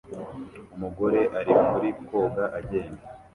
Umugore ari muri koga agenda